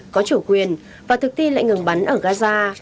có chủ quyền và thực thi lệnh ngừng bắn ở gaza